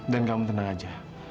dan kamu tenang aja